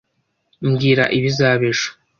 Mbwira ibizaba ejo.